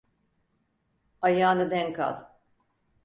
Ayağını denk al.